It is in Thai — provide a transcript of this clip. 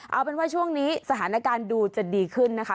เอาเป็นว่าช่วงนี้สถานการณ์ดูจะดีขึ้นนะคะ